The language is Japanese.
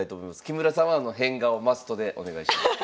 木村さんは変顔マストでお願いします。